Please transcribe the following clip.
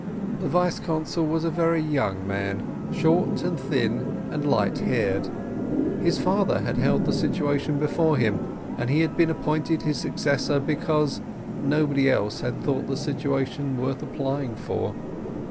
The vice consul was a very young man, short and thin, and light haired; his father had held the situation before him, and he had been appointed his successor because nobody else had thought the situation worth applying for.